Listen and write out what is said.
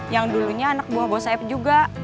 yang dulunya anak buah buah saeb juga